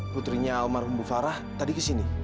putrinya almarhum bu farah tadi kesini